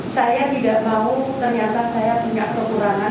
saya tidak mau ternyata saya punya kekurangan